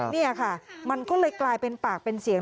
นี่ค่ะมันก็เลยกลายเป็นปากเป็นเสียง